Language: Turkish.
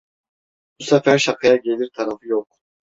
Bu sefer şakaya gelir tarafı yok.